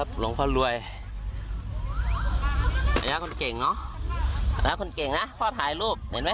โดนหนีบอยู่ตรงกลางนะครับ